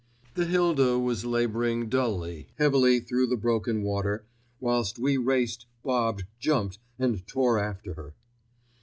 The Hilda was labouring dully, heavily through the broken water, whilst we raced, bobbed, jumped and tore after her.